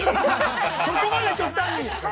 ◆そこまで極端に。